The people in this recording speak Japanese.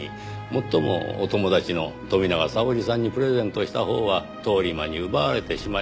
もっともお友達の富永沙織さんにプレゼントしたほうは通り魔に奪われてしまいましたが。